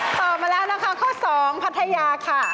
ตอบมาแล้วนะคะข้อ๒พัทยาค่ะ